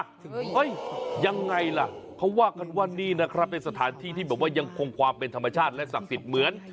เฮ้ยยังไงล่ะเขาว่ากันว่านี่นะครับเป็นสถานที่ที่แบบว่ายังคงความเป็นธรรมชาติและศักดิ์สิทธิ์เหมือน